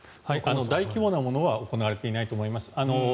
大規模なものは行われていないと思います。